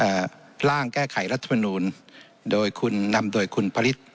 เอ่อพล่างแก้ไขรัฐมนุนโดยคุณนำโดยคุณพระฤทธิ์